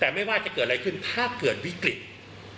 แต่ไม่ว่าจะเกิดอะไรขึ้นถ้าเกิดวิกฤต